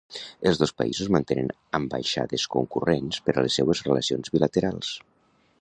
Els dos països mantenen ambaixades concurrents per a les seues relacions bilaterals.